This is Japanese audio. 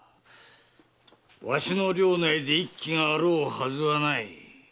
わしの領内で一揆があろうはずがない。